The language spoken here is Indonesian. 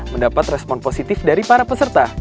mendapat respon positif dari para peserta